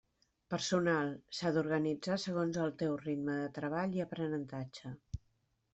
Personal: s'ha d’organitzar segons el teu ritme de treball i aprenentatge.